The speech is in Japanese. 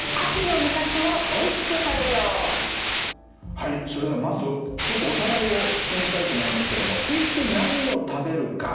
はいそれではまずちょっとおさらいをしてみたいと思いますけどもいつ何を食べるか。